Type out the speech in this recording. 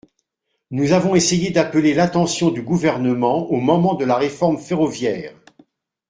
Nous avons essayé d’appeler l’attention du Gouvernement au moment de la réforme ferroviaire.